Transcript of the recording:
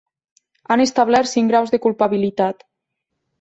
Han establert cinc graus de culpabilitat.